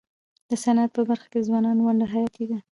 د صنعت په برخه کي د ځوانانو ونډه حیاتي ده.